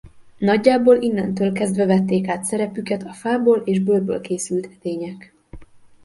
Nagyjából innentől kezdve vették át a szerepüket a fából és bőrből készült edények.